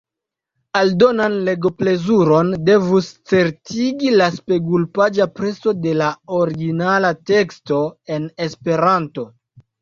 Aldonan legoplezuron devus certigi la spegulpaĝa preso de la originala teksto en Esperanto.